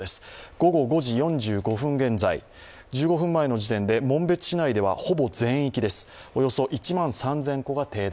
午後５時４５分現在、１５分前の時点で紋別市内では、ほぼ全域です、およそ１万３０００戸が停電。